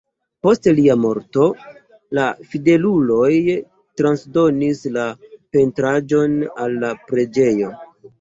Post lia morto la fideluloj transdonis la pentraĵon al la preĝejo.